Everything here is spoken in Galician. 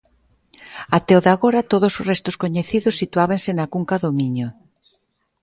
Até o de agora, todos os restos coñecidos situábanse na cunca do Miño.